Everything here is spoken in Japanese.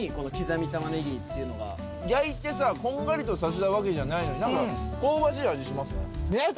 焼いてさこんがりとさせたわけじゃないのに何か香ばしい味しますね。